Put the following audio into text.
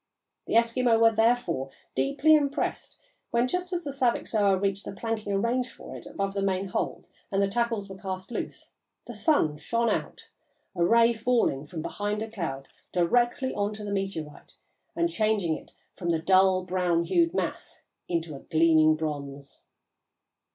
The Eskimo were, therefore, deeply impressed when, just as the Saviksoah reached the planking arranged for it above the main hold and the tackles were cast loose, the sun shone out, a ray falling from behind a cloud directly on the meteorite and changing it from the dull brown hued mass into a gleaming bronze.